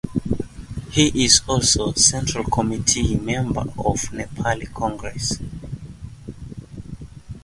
He is also central committee member of Nepali Congress.